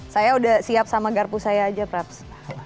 saya udah siap sama garpu saya aja praps